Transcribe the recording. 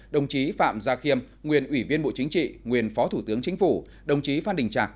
đồng chí phạm gia khiêm nguyên ủy viên bộ chính trị nguyên phó thủ tướng chính phủ đồng chí phan đình trạc